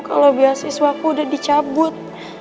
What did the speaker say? kalau biasiswa ku udah dicabut